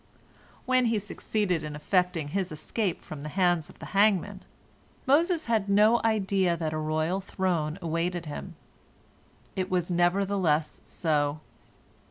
When he succeeded in effecting his escape from the hands of the hangman, Moses had no idea that a royal throne awaited him. It was nevertheless so.